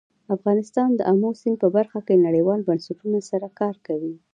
افغانستان د آمو سیند په برخه کې نړیوالو بنسټونو سره کار کوي.